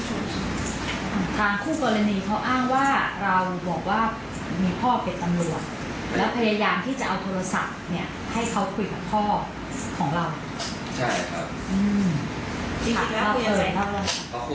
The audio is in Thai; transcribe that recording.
เหมือนบอกพ่อพ่อให้ผมกลับบ้านอะไรอย่างนี้ครับ